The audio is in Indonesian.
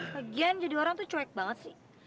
bagian jadi orang tuh cuek banget sih